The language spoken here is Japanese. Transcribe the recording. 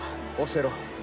教えろ。